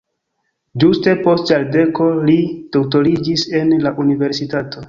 Ĝuste post jardeko li doktoriĝis en la universitato.